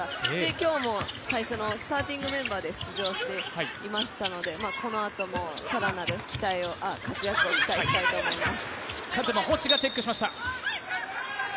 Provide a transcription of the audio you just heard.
今日も最初のスターティングメンバーで出場していましたので、このあとも更なる活躍を期待したいと思います。